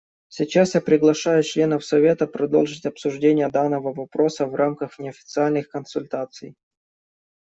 Сейчас я приглашаю членов Совета продолжить обсуждение данного вопроса в рамках неофициальных консультаций.